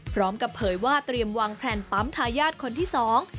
พร้อมกับเผยว่าเตรียมวางแพลนปั๊มทายาทคนที่สอง